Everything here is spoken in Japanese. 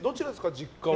実家は。